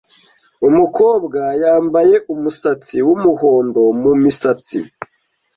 Umukobwa yambaye umusatsi wumuhondo mumisatsi.